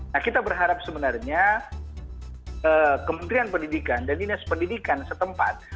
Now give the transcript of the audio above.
nah kita berharap sebenarnya kementerian pendidikan dan dinas pendidikan setempat